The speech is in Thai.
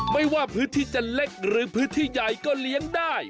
ไม่ว่าพื้นที่จะเล็กหรือพื้นที่ใหญ่ก็เลี้ยงได้